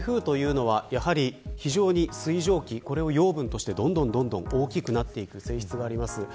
ラニーニャは水蒸気を養分としてどんどん大きくなっていく性質があります。